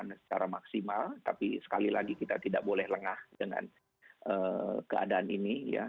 secara maksimal tapi sekali lagi kita tidak boleh lengah dengan keadaan ini ya